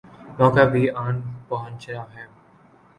موقع بھی آن پہنچا ہے۔